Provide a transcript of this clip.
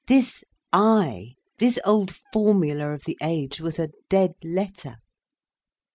This I, this old formula of the age, was a dead letter.